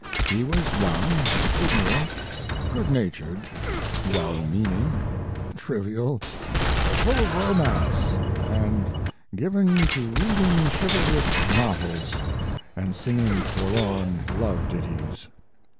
He was young, ignorant, good natured, well meaning, trivial, full of romance, and given to reading chivalric novels and singing forlorn love ditties.